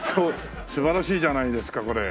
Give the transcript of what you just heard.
素晴らしいじゃないですかこれ。